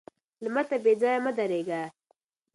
لمر ته بې ځايه مه درېږه